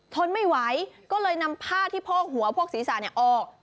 ทนไม่ไหวก็เลยนำผ้าที่โพกหัวโพกศีรษะออก